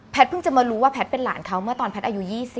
เพิ่งจะมารู้ว่าแพทย์เป็นหลานเขาเมื่อตอนแพทย์อายุ๒๐